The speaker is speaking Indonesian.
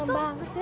serem banget ya